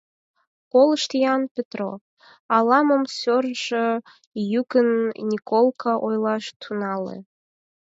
— Колышт-ян, Петро, — ала-мом сӧрышӧ йӱкын Николка ойлаш тӱҥале.